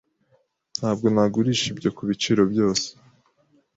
Ntabwo nagurisha ibyo kubiciro byose.